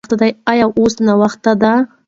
ایا اوس ناوخته ده؟